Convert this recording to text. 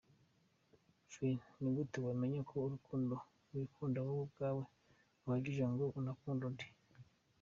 fr : Ni gute wamenya ko urukundo wikunda wowe ubwawe ruhagije ngo unakunde undi ?.